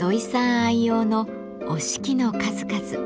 愛用の折敷の数々。